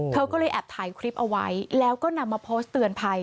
เธอก็เลยแอบถ่ายคลิปเอาไว้แล้วก็นำมาโพสต์เตือนภัย